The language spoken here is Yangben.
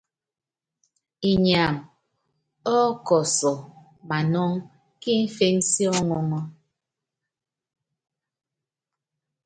Inyam ɔ́kɔsɔ manɔŋ kí imféŋ sí ɔŋɔŋɔ́.